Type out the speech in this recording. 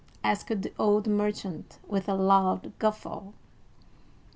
asked the old merchant, with a loud guffaw.